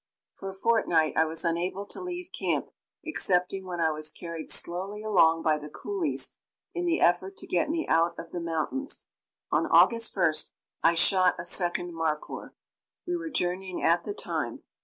For a fortnight I was unable to leave camp, excepting when I was carried slowly along by the coolies in the effort to get me out of the mountains. On August 1st I shot a second markhoor. We were journeying at the time.